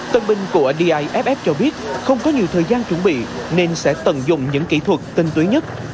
tân binh của diff cho biết không có nhiều thời gian chuẩn bị nên sẽ tận dụng những kỹ thuật tinh túy nhất